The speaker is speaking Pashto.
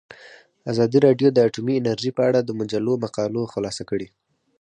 ازادي راډیو د اټومي انرژي په اړه د مجلو مقالو خلاصه کړې.